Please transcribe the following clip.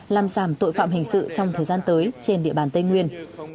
làm giảm tội phạm hình sự trong thời gian tới trên địa bàn tây nguyên